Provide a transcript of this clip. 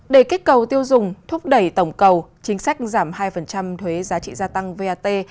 để kích cầu tiêu dùng thúc đẩy tổng cầu chính sách giảm hai thuế giá trị gia tăng vat